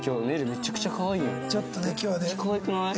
めっちゃかわいくない？